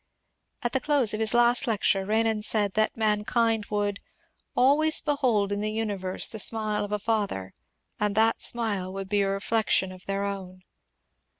At the close of his last lecture Renan said that mankind would ^^ always behold in the universe the smile of a father, and that smile would be a reflection of their own."